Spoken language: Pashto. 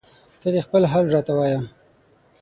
ته دې خپل حال راته وایه